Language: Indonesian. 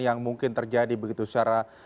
yang mungkin terjadi begitu secara